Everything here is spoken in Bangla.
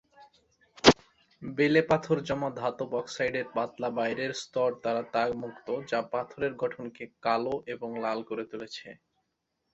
বেলেপাথর জমা ধাতব অক্সাইডের পাতলা বাইরের স্তর দ্বারা দাগযুক্ত যা পাথরের গঠনকে কালো এবং লাল করে তুলেছে।